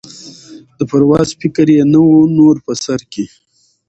د پرواز فکر یې نه وو نور په سر کي